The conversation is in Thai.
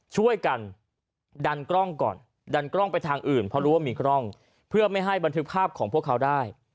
ช่วยกันดันกล้องก่อนดันกล้องไปทางอื่นเพราะรู้ว่ามีกล้องเพื่อไม่ให้บันทึกภาพของพวกเขาได้